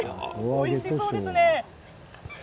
おいしそうですね。